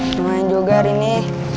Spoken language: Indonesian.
lumayan juga hari ini